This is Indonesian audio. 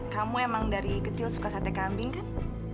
kamu emang dari kecil suka sate kambing kan